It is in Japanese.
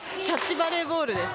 キャッチバレーボール？